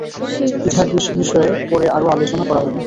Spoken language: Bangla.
ইথার বিষয়ে পরে আরও আলোচনা করা হবে।